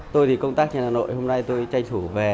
tôi thì công tác trên hà nội hôm nay tôi tranh thủ về